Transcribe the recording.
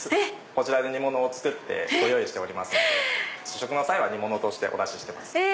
こちらで煮物を作ってご用意しておりますので試食の際は煮物としてお出ししてます。